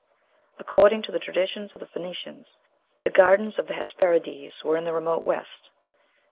"According to the traditions of the Phoenicians, the Gardens of the Hesperides were in the remote west."